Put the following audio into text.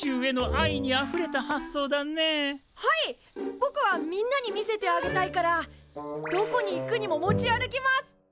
ぼくはみんなに見せてあげたいからどこに行くにも持ち歩きます！